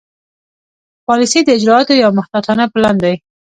پالیسي د اجرااتو یو محتاطانه پلان دی.